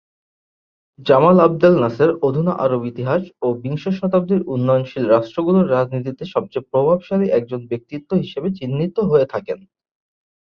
Jamal Abdel Nasser অধুনা আরব ইতিহাস ও বিংশ শতাব্দীর উন্নয়নশীল রাষ্ট্রগুলোর রাজনীতিতে সবচেয়ে প্রভাবশালী একজন ব্যক্তিত্ব হিসেবে চিহ্নিত হয়ে থাকেন।